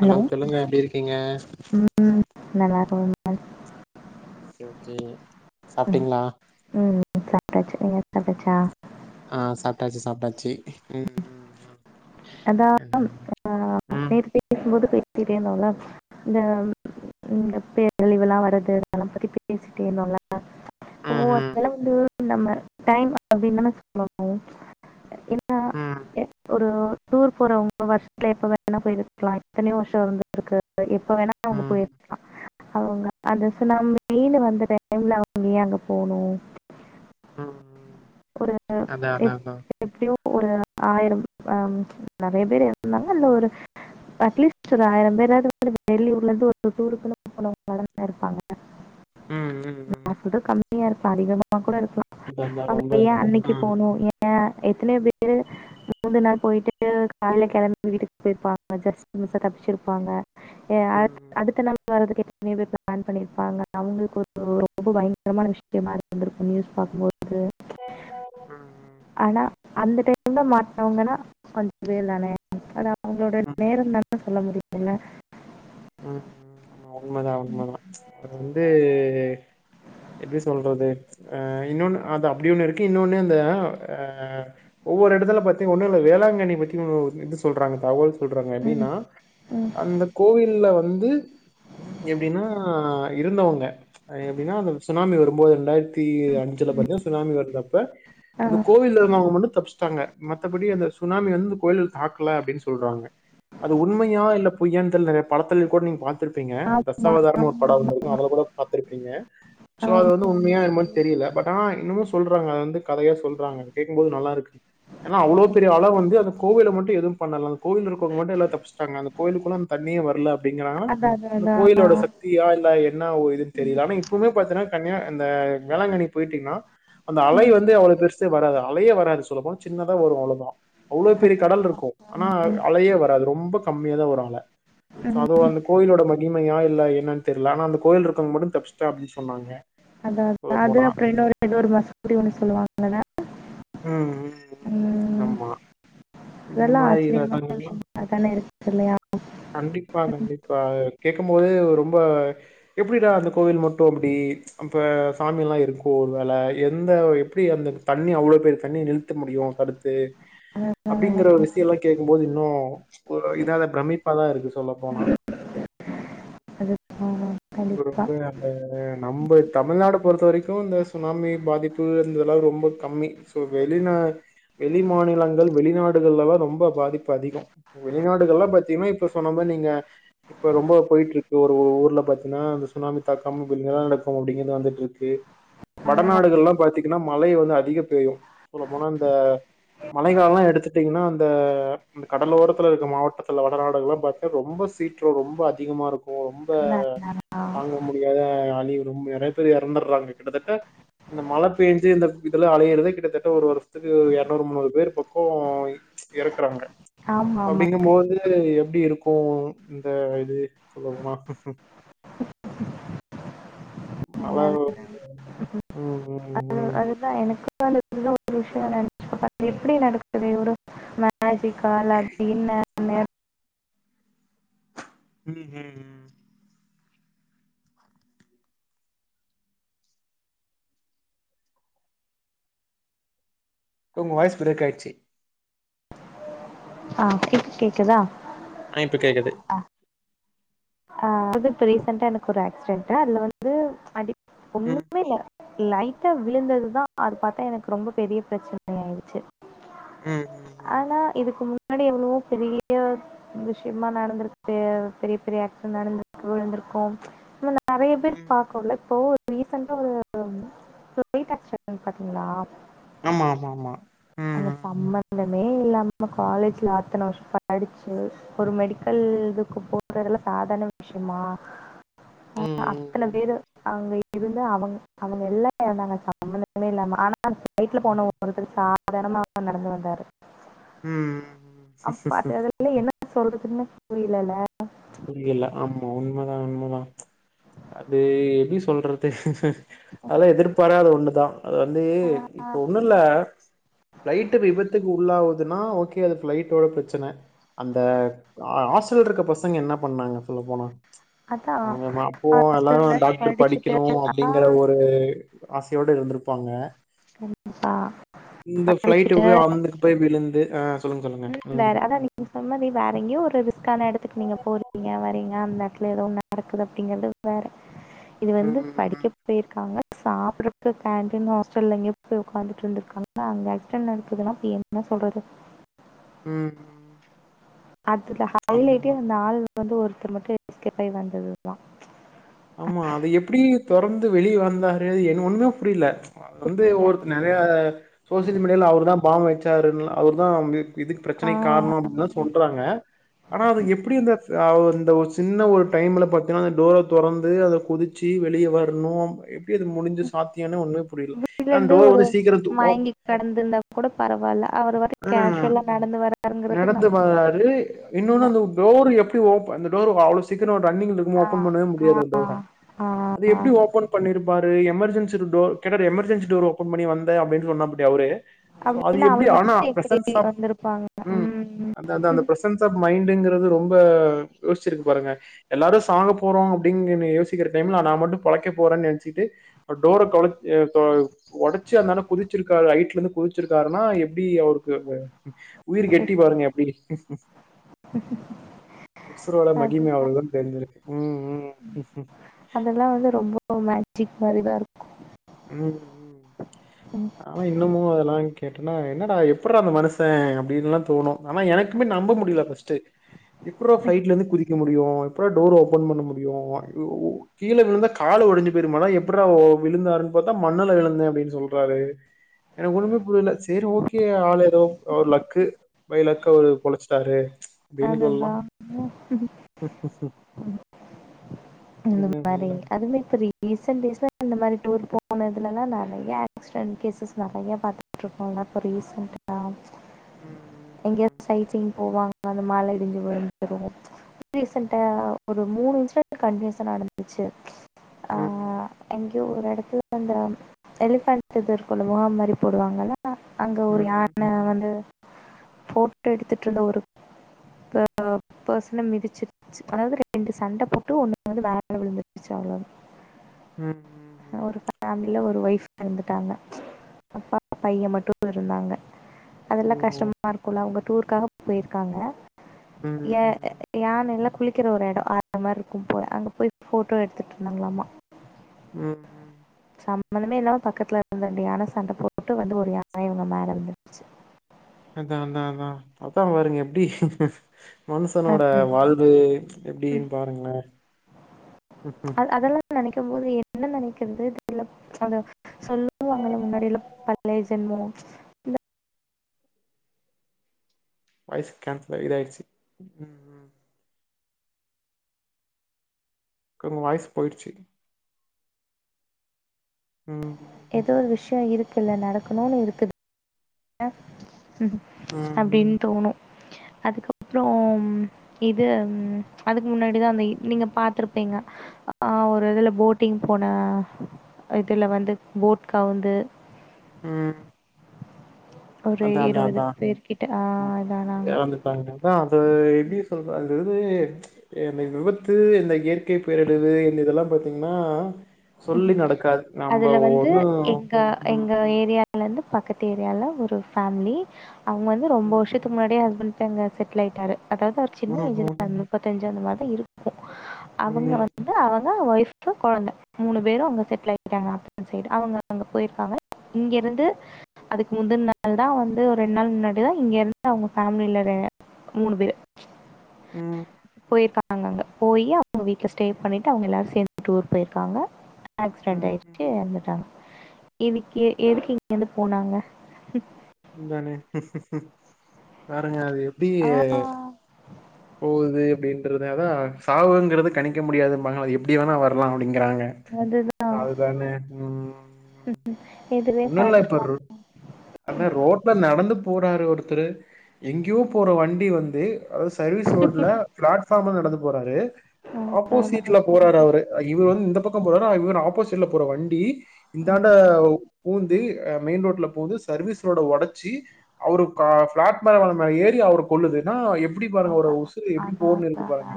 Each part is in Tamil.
ஹலோ சொல்லுங்க எப்டி இருக்கீங்க? ம் நல்லா [inaudible] ஓகே ஓகே சாப்டீங்ளா? சாப்டாச்சு நீங்க சாப்டாச்சா? ஆ சாப்டாச்சு சாப்டாச்சி ம்‌ ம் ம் அதா என்ன [inaudible] ம் நேத்து பேசும்போது பே சிட்டே இந்தோல்ல இந்த இந்த பேரழிவுல்லா வர்றது அதல்லா பத்தி பேசிட்டே இருந்தோல்ல இப்போ ம் ம் அதல்லா வந்து நம்ம டைம் அப்டின்தான சொல்லனு என்னா எ ஒரு டூர் போறவுங்க வருஷத்துல எப்ப வேணா போயிருக்லா எத்தனயோ வருஷ இருந்துர்க்கு எப்ப வேணா ம் அவுங்க ம் போயிர்க்லா அவங்க அந்த சுனாமீனு வந்த டைம்ல அவுங்க ஏ அங்க போணு ம் ம் அதா அதா எப் அதா எப்படியும் ஒரு ஆயிரம் அம் நறைய பேர் எறந்தாங்க அதுல ஒரு அட்லீஸ்ட் ஒரு ஆயிரம் பேராது [inaudible] வெளியூர்லந்து [inaudible] டூருக்குன்னு போனவங்கலா தான இருப்பாங்க ம் ம் நா ம் சொல்றது கம் மியா இருக்கு அதிகமா கூட இரு அதா [inaudible] அவுங்க ரொம்ப ஏ இருக்கு அன்னக்கி ம் போனு ஏ எத்தனயோ பேரு [inaudible] நாள் போயிட்டு கால்ல கெளம்பி வீட்டுக் போயிருப்பாங்க ஜஸ்டு மிஸ்ஸா தப்பிச்சுருப்பாங்க ஏ அ ம் ம் அடுத்த நாள் வரதுக்கே [inaudible] பேர் பிளான் பண்ணிருப்பாங்க அவுங்களுக்கு ஒரு ரொம்ப பயங்கரமான விஷயமா இருந்துருக்கு நியூஸ் பாக்கும்போ து ம் ஆனா அந்த டைம்ல மாட்னவுங்கனா கொஞ்ச பேர்தானெ [inaudible] அவுங்களோட ம் ம் நேரந்தான சொல்ல முடி என்ன ம் ம் ஆமா உண்மதா உண்மதா அ வந் து எப்டி சொல்றது அ இன்னொன்னு அது அப்டி ஒன்னு இருக்கு இன்னொன்னு அந்த அ ஒவ்வொரு எடத்துல பத்தி ஒன்னுல்ல வேளாங்கண்ணி பத்தி ஒ இது சொல்றாங்க தகவல் சொல்றாங்க ம் எப்டின்னா ம் அந்த கோவில் ல வந்து எப்டின்னா இருந்தவுங்க எப்டின்னா அந்த சுனாமி வரும்போது ரெண்டாயிர த்தி அஞ்சுல பாத்தின சுனாமி வந்தப்ப ஆ, அந்த கோவில்ல இருந்தவுங்க மட்டு தப்ச்ட்டாங்க மத்தபடி அந்த சுனாமி வந்து கோயில தாக்கல அப்டின் சொல்றாங்க அது உண்மையா இல்ல பொய்யான் தெர் நறய படத்தில் கூட நீங்க பாத் திருப்பீங்க ஆமா தசாவதாரம்னு ஒரு ஆமா படம் ஆமா வந்துருக்கு அதுல கூட பாத்துருப்பீங்க சோ அது வந்து ஆமா நீ உண்மையா என்னமொன் சொல்லி தெரியில பட் ஆனா இன்னமு சொல்றாங்க அத வந்து கதையா சொல்றாங்க அத கேக்கும் போது நல்லாருக்கு எனா அவ்ளோ பெரிய அல வந்து அந்த கோவில மட் டு எதுவும் பண்ணல அந்தக் கோயில்லருக்கவுங்க மட்டு எல்லா தப்ச்சுட்டாங்க அந்த கோயிலுக்குலா தண்ணியே வர் ல [unintelligible] அதான் அந்த அதான் கோயிலோட அதான் சக்தியா இல்ல என்ன உ இதுன் தெரில ஆனா இப்பவ்மே பாத்தனா தனியா அந்த வேளாங்கண்ணி போயிட்டீங்னா அந்த அலை ம் வந்து அவ்ள பெருசு வராத அலையே வராது சொல்ல போன சின்னதா வரு அவ்ளதா அவ்ளோ பெரிய அதான் கடல்ருக்கு ஆனா அலையே வராது ரொம்ப கம்மியா தா வரு அல சோ அதான் அதுவு அந்த கோயிலோட மகிமையா இல்ல என்னன் தெர்ல ஆனா அந்த கோயில் இருக்கவுங்க மட்டு தப்பிச்ட்டா அப்டி சொன்னாங்க அதா அது சொல்லப்போனா அப்றொ இன்னொரு எதோ ஒரு மசூதி ஒன்னு சொல்லுவாங்கல்ல ம் ம் ம் ஆமா. இந்த இதெல்லா மாரி ஆச்சரியமான இடங்கள்லா விஷ்யமா தான இருக் கில்லயா கண்டிப்பா கண்டிப்பா கேக்கம் போது ரொம்ப எப்டிடா அந்த கோவில் மட்டு அப்டி அப்ப சாமியல்லா இருக்கோ ஒரு வேல எந்த எப்டி அந்த தண்ணி அவ்ளோ பெரிய தண்ணிய நிறுத்த முடியு தடுத்து அதெல்லாம் அப்டிங்கிற ஒரு விசயல்லா கேக்கும் போது [unintelligible] ஒரு இதாத பிரம்மி ப்பாதா இருக்கு சொல்ல போனா அது ஆமா, ரொம்ப கண்டிப்பா ரொம்ப அந்த நம்ப தமிழ்நாடு பொறுத்த வரை க்கு இந்த சுனாமி பாதிப்பு இந்தளவு‌ ரொம்ப கம்மி ஸோ வெளிநா வெளி மாநிலங்கள் வெளிநாடுகள்லதா ரொம்ப பாதிப்பு அதிகொ வெளிநாடுகள்லா பாத்தீங்கனா இப்ப சொன்ன மா நீங்க இப்ப ரொம்ப போயிட்ருக்கு ஒரு ஊர்ல பா த்தின்னா அந்த சுனாமி தாக்கம் இப்ப நிலநடுக்கம் அப்டிங்கிறது வந்துட்ருக்கு அதெல்லாம் வடநாடுகள்லா பாத்தீங்கனா மழை வந்து அதிக பேயு சொல்ல போனா இந்த மழை கால எடுத்துட்டீங்கனா அந்த கடலோரத்துல இருக்க மாவட்டத்துல வடநாடுகள்ல பாத்த ரொம்ப சீற்றொ ரொம்ப அதிகமாருக் [inaudible] தாங்க முடியா த அழி ரொம் நெறைய பேர் எறந்துர்றாங்க கிட்டத்தட்ட இந்த மழ பேஞ்சு இந்த இதுல அழியிறதெ கிட்டத்தட்ட ஒரு வருஷத்துக்கு எர்நூறு முன்னூறு பேர் பக்கொ எறக்குறாங்க ஆமா ஆமா அப்டிங்கம்மோது எ ப்டி இருக்கு இந்த இது சொல்ல போனா மழ [unintelligible] ம் ம் ம் ம் அதுதா எனக்கு [inaudible] [inaudible] [unintelligible] அப்டின்ன [unintelligible] ம் ம் ம் உங்க வாய்ஸ் பிரேக் ஆயிட்ச்சி ஆ இப்ப கேக்குதா ஆ இப்ப கேக்குது ஆ வந்து இப்ப ரீசண்டா எனக்கு ஒரு ஆக்சிடெண்ட்டு அதுல வந்து அடி ம் ஒன்னுமே இல்ல லைட்டா விழுந்ததுதா அது பாத்தா எனக்கு ரொம்ப பெரிய ப்ரச்சன ஆய்ச்சு ம் ம் ம் ஆனா இதுக்கு முன் னாடி மூட்டு [inaudible] விஷயமா நடந்திருக்கு பெரிய பெரிய நடந்துருக்கு விழுந்திருக்கோ சும் ல நெறைய பேர் ம் பாக்கொல தோல் ரீசன்டா ஒரு ஃப்ளைட் ஆக்சிடென்ட் பாத்தீங்களா ஆமாமாமா அந்த சம்பந்தமே இல்லாம நம்ம காலேஜ்ல அத்தன வருஷ படிச்சு ஒரு மெடிக்கல் இதுக்கு போறதெல்லா சாதாரண விஷயமா ஆ ம் அத்தன ம் பேரு அவங்க இருந்து அவங்க அவங்க எல்லா எரந்தங்க சமந்தமே இல்லாம ஆனா ஃப்ளைட்ல போனவங்க ஒருத்தர் ஆ சாதாரணமா நடந்து வந்தாரு ம் ம் ம் அப்பா அது அதுலே என்ன என் சொல்றதுனே புரியலல புரியல ஆமா உண்மதா உண்மதா அது எப்டி சொல்றது அத எதிர்பாராத ஒண்ணுதா அது வந்து இப்ப ஒண்ணு இல்ல ஃப்ளைட்டு விபத்துக்கு உள்ளாவது த்து நா ஓகே அது ஃப்ளைடோட ப்ரச்சன அந்த ஹா ஹாஸ்ட்டல் இருக்க ப சங்க என்ன பண்ணாங்க சொல்ல போனா அதான் அவங்க பாப்போ எல்லாரு ஹாஸ்டல்ல டாக்டர் படிச்சுட்டு படிக்கணு அப்டிங்கற ஆஹ் ஒரு ஆசயோடு இருந்திருப்பாங்க கண்டிப்பா இந்த ஃபிளைட்டு படிச்சுட்டு போய் அந்துக்கு போய் விழுந்து ஆ சொல்லுங்க சொல்லுங்க ம் வேற அத நீங்க சொன்னதே வேற எங்கயோ ஒரு ரிஸ்க்கான எடத்து வரீங்க அந்த இடத்துல ஏதோ ஒன்ன நடக்குது அப்டிங்கறது வேற இது வந்து ம் படிக்க போய்ருக்காங்க சாப்டறதுக்கு கேண்டி புள்ளங்க போய் உட்காந்துட்டு இருந்தக்காங்க அங்க ஆக்சிடெட் நடக்குதுன்னா இப்ப என்ன சொல்றது ம் ம் அதுல ம் ஹைலைட்டே அந்த ஆள் வந்து ஒருத்தர் மட்டும் எஸ்கேப் ஆகி வந்ததுதா ஆமா அத எப்டி தொரந்து வெளிய வந்தாரு என ஒண்ணுமே புரில வந்து புரியல ஒரு நிறைய சோசியல் மீடியால அவரு தா பாவம் எச்சாருல் அவரு தா இதுக்கு ப்ரச்சனக்கு ஆஹ் காரண அப்டின்னுதா சொல்றாங்க ஆனா அது எப்டி அந்த அவர் இந்த சின்ன ஒரு டைம்ல பாத்தீங்கன்னா அந்த டோர் தொறந்து அத குதிச்சி வெளிய வர்ணு எப் டி இது முடுஞ்சு சாத்தியொனு ஒன்னுமே புரில வீட்ல எனா இருந்து டோர் ஒரு வந்து சீக்கிரொ மயங்கி கடந்திருந்தா கூட பரவாயில்ல அவர் வர [unintelligible] கேஷுவலா நடந்து வராருங்கிறது நடந்து வராரு இன்னுமு நம்பல இந்த டோர எப் டி ஓப் அந்த டோர் வ அவ்ளோ சீக்கிரொ தண்ணிகுள்ள இக்கமோ ஒபன் ஆஹ் பண்ணவே ஆஹ் மு டோரா அது எப்டி ஆஹ் ஓபன் பண்ணிருப் பாரு எமர்ஜென்சி டோர் கேட்டா எமர்ஜென்சி டோர் ஓபன் பண்ணி வந்த அப்டின் சொன்னாபிடி அவரு சோ அது அப்படின்னு எப்டி அவர் ஆனா மட்டும் எப்படி பிரசன்ஸ் ஆஃப் வந்திருப்பாங்க ம் உம் அந்த அந்த அந்த பிரசன்ஸ் ஆஃப் மைண்ட்டுங்கிறது ரொம் ப யோசுச்சிருக்கு பாருங்க எல்லாரு சாக போறோ அப்டிங்கிறத யோசிக்கற டைம்ல நா மட்டு பொழைக்க போறேன் நென்ச்சிட்டு டோர கொள எ ப ஒடச்சு அந்த அண்ண குதுச்சிருக்காரு ஹைட்லந்து குதுச்சிருக்காருன்னா எப்டி அவருக்கு அந்த உயிர் கெட்டி பாருங்க அப்டி உசுரோட மகிம அவருக்குதா தெருஞ்சிருக்கு ம் ம் ம் அதெல்லா வந்து ரொம்ப [inaudible] [unintelligible] ம் ம் இருக்கும் ஆனா இன்னமு அதெல்லா கேட்டென்னா என்னடா எப்பிர்றா இந்த மனுஷ அப்டீன்லா தோணு ஆனா எனக்குமே நம்ப முடில ஃபஸ்ட்டு எப்புர்றா ஃப்ளைட்லந்து குதிக்க முடியு எப்புறா‌ டோர் ஓபன் பண்ண முடியு ஐயோ கீழ விழுந்தா காலு ஒடஞ்சு போயிரும அதா எப்பிர்றா ஓ விழுந்தாரு கேட்டா மண்ணுல விழுந்த அப்டின் சொல்றாரு எனக்கு ஒன்னுமே புரில சேரி ஓகே ஆள் எதோ அவர் லக்கு பை லக்கு அவரு பொழச்சுட்டாரு அப்டின்னு சொல்லலா [unintelligible] அந்த என்ன மாரி பண்ற அதுமே [unintelligible] ரீசெண்ட் டேஸ்ல இந்த மாரி டூர் போனதுலலா நெறைய ஆக்ஸிடென்ட் கேசஸ் நறையா பாத்துட்ருப்பாங்க இப்ப ரீசண்டா ம் [unintelligible] போவாங் க அந்த மால்ல இடுஞ்சு விழுந்தது ரீசன்ட்டா ஒரு மூணு இன்ஸிடென் ட் கண்டினியுசா நடந்துச்சு ஆ ம் அந் த ஒரு எடத்துல அந்த [unintelligible] மாரி போடுவாங்கல்ல ஆ அங்க ஒரு ம் ம் யான வந்து ஃபோட்டோ எடுத்துட்ருந்த ஒரு [inaudible] பர்சன மிதிச்சிருச்சு அதாவ்து ரெண்டு சண்ட போ ட்டு ஒன்னு வந்து மேல விழுந்துட்ச்சு அவ்ளதா ம் ம் ம் அவரு ஃபேம்லில அவ ரு ஒய்ஃப் எறந்துட்டாங்க அப்பா பைய மட்டு இருந்தாங்க அதெல்லா ஓஹோ கஷ்டமா இருக்குல்ல அவுங்க டூர்காக பொயிருக்காங்க ம் ய ம் யானெல்லா குளிக்கிற ஒரு எடொ ஆறு மார்ரு ப்போய் அங்கே போய் போ ஃபோட்டோ எடுத்துகட்டு இருந்தாங்களாமா ம் ம் சம்பந்தமே இல்லாம பக்கத்துல இருந்த ரெண்டு யானை சண்டை போட்டுக்கிட்டு வந்து ஒரு யானை இவங்க மேல விழுந்துருச்சு அதாதாதா பொத்தா பாருங்க எப்டி மனுஷனோட அதுதான் வாழ்வு ம். எப்டின்னு பாருங்களே நனைக்கும் போது என்ன நனைக்கிறது தெரியல சொல்லுவாங்கஎல முன்னாடியில பழைய ஜென்மம் வைய்ஸ் கேன்சல் இதா அய்டுச்சு ம் கருவய்ஸ் போயிடுச்சு ம் ஏதோ ஒரு விஷய இருக் இல்ல நடக்கணுனு இருக்குது த ம் ம் அப்டின் தோணு அதுக்கப்றம் இது அதுக்கு முன்னாடிதா அந்த நீங்க பாத்திருப்பீங்க அ ஒரு இதுல போட்டிங் போன இதுல வந்து போட் கவுந்து ம் ஒரு அதாதாதா பேர்கிட்ட ஆ இதானாங்க. வந்துட்டாங்க அதா அது எப்டி சொல்ற தது இந்த விபத்து இந்த இயற்கை பேரழிவு இந்த இதெல்லா பாத்தீங்கன்னா சொல்லி நடக்காது நம்ம அதுல வந்து ஒண்ணு எங்கா ம் எங்க ஏரியா அதுல இருந்து பக்கத்து ஏரியால ஒரு ஃபேம்லி அவங்க வந்து ரொம்ப ம் வருஷத்துக்கு முன்னாடியே ஹஸ்பெண்ட் தங்க செட்டில் ஆய்ட்டாறு அதாது ஒரு சின்ன ஏஜ் ம் தா முப்பத்தஞ் தஅந்த மாரிதா இருக்கு அவங்க ம் வந்து அ ந ஒய்ஃப்பு கொழந்த மூணு பேரும் அங்க செட்டில் ஆகிட்டாங்க அ சைடு அவங்க அங்க போயிருக்காங்க இங்கருந்து அதுக்கு முந்துன நாள் தா வந்து ரெண்டு நாள் முன்னாடிதா இங்கருந்து அவங்க ஃபேம்லில மூணு பேரு ம் போய்ருக்காங்கக அங்க போயி அவங்க வீட்ல ஸ்டே பண்ணிட்டு அவங்க எல்லாரு சேர்ந்துட்டுர் போய்ருக்காங்க ஆக்சிடென்ட் ம் ஆய்டுச்சு வந்துட்டாங்க எதுக்கு எதுக்கு இங்கந்து போனாங்க அதானே பாருங்க அது எப் ப்டியெ போகுது அப்டின்றதுனால சாவுங்கறது கணிக்க முடியாதும்பாங்க எப்டி வேணா வரலா அப்டிங்கறாங்க அதுதா அதுதானே ம் இதுவே ஒண்ணு இல்ல இப்ப பாத்துருக்காங்க ருட் அத ரோட்டல நடந் வந்து போறாரு ஒருத்தரு எங்கேயோ போற வண்டி வந்து அதாது சர்வீஸ் ரோட்ல ப்ளாட்ஃபார்ம்ல நடந்து போறாரு ஆப்போசிட்ல போறாரு அவுரு இவர் வந்து இந்த பக்க பொராரா இவர் ஆப்போசிட்ல போற வண்டி இந்தாண்ட பூந்து ஆ மெயின் ரோட்ல பூந்து சர்வீஸ் ரோட ஒடச்சி அவுரு கா பிளாட்ஃபார்ம் மேல ஏறி அவர கொல்லுதுன்னா எப் எப்டி பாருங்க ஒரு அதா அதா உசுரு எப்டி அதா போகனுனு இருக்கு பாருங்க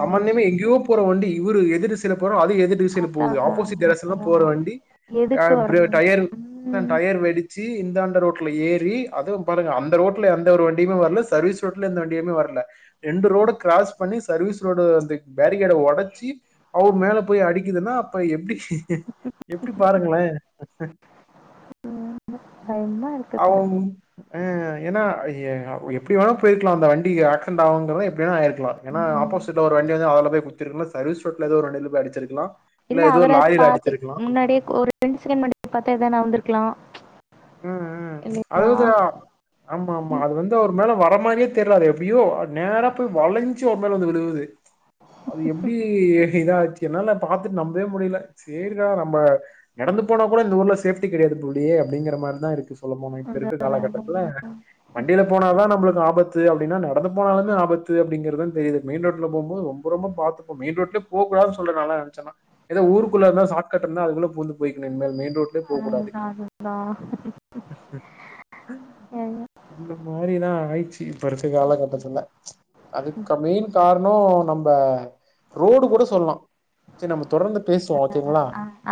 சம்மந்தமே எங்கேயோ போற வண்டி இவரு எதிர் திசையில போற அது எதிர் திசையில அதா அதா போது ஆப்போசிட் டைரக்சன்ல அதா போற வண்டி ஆ எதுக்கு பிரே வரணு டயரு ஆ ம் டயர் வெடிச் சி இந்தாண்ட ரோட்ல ஏறி அதுவு பாருங்க அந்த ரோட்ல எந்த ஒரு வண்டியுமே வரல சர்வீஸ் ரோட்ல எந்த வண்டியுமே வரல ரெண்டு ரோடு கிராஸ் பண்ணி சர்வீஸ் ரோடு அந்த பேரிகேட ஒடைச்சி அவுரு மேல போய் அடிக்குதுன்னா அப்ப எப்டி எப்டி பாருங்களே ம் அவுங் ஆ ஏன்னா எ எ அ எப்டி வேணா போயிருக்கலா அந்த வண்டி ஆக்சிடென்ட் ஆவுங்கறது எப்டி வேண்ணா ஆயி ருக்கலா ஏன்னா ம் ஆப்போசிட்ல வர வண்டி வந்து அதுல போய் கு த்திருக்கலா சர்வீஸ் ரோட்ல எதோ ஒரு வண்டில போய் அடிச்சிருக்கலா இல்ல அவராது பாத்து முன்னாடியே ஒரு ரெண்டு செகண்ட் முன்னாடி பாத்திருந்தா நவுந்திருக்கலா ம் ம் அதுதா ஆமா ஆமா அது வந்து அவுரு மேல வ ர மாரியே தெர்ல அது எப்டியோ அது நேரா போய் வளைஞ்சு அவுரு மேல வந்து விழுகுது அது எப்டி இதாச்சு என்னால பாத்துட்டு நம்பவே முடியல சேரிடா நம்ம நடந்து போனா கூட இந்த ஊர்ல சேஃப்டி கெடையாது போலயே அப்டிங்க ற மாரிதா இருக்கு சொல்லப்போனா இப்ப இருக்குற காலகட்டத்துல அதுதா வண்டில போனாதா நம்மளுக்கு ஆபத் து அப்டினா நடந்து போனாலுமே ஆபத்து அப்டிங்கறதுதா தெரியுது மெயின் ரோட்ல போம்போது ரொம்ப ரொம்ப பாத்து போணு மெயின் ரோட்லயே போக்கூடாதுன்னு சொல்ற நால்லா நெனச்சன்னா எதா ஊருக்குள்ள எதுனா ஷார்ட்கட் இருந்தா அதுக்குள்ள பூந்து போயிக்கணு இனிமேல் மெயின் ரோட்லயே ஆ போ கூடாது அதா அதுதா இந்த மாரிதா ஆயிட்ச்சு இப்ப இருக்க காலகட்டத்துல அதுக்கு மெயின் காரணோ நம்ப ரோடு கூட சொல்லலா சேரி நம்ம தொடர்ந்து பேசுவோ ஓகேங்களா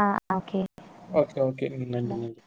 ஆ ஓகே ஓகே ஓகே ந் நன்றி நன்றி